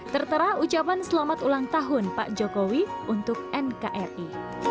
tertera ucapan selamat ulang tahun pak jokowi untuk nkri